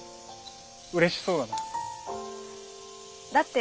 うれしそうだな。